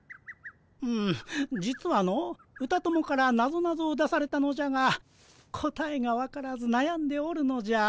うん実はの歌友からなぞなぞを出されたのじゃが答えが分からずなやんでおるのじゃ。